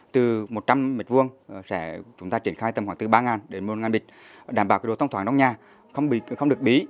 từ một trăm linh m hai sẽ chúng ta triển khai tầm khoảng từ ba đến một m hai đảm bảo đồ thông thoáng trong nhà không được bí